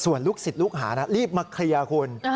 ส่วนลูกศิษย์ลูกหานะรีบมาเคลียร์คุณ